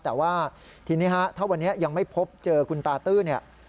แต่ว่าทีนี้ครับถ้าวันนี้ยังไม่พบเจอคุณตาตื้อ